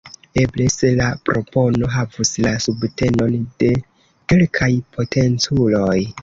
Eble - se la propono havus la subtenon de kelkaj potenculoj.